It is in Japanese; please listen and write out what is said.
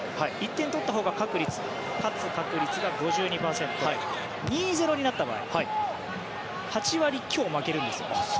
１点取ったほうが勝つ確率が５２％２−０になった場合８割強負けるんです。